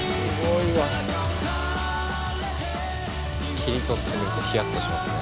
切り取ってみるとヒヤッとしますね。